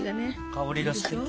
香りがすてき。